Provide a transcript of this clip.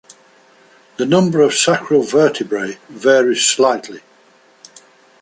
The number of sacral vertebrae varies slightly.